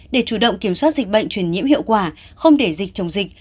để chủ động kiểm soát dịch bệnh truyền nhiễm hiệu quả không để dịch chồng dịch